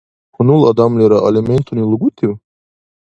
Хьунул адамлира алиментуни лугутив?